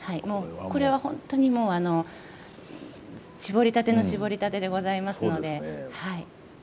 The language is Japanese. これはホントにもうしぼりたてのしぼりたてでございますので。